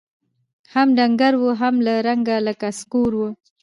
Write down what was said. هم ډنګر وو هم له رنګه لکه سکور وو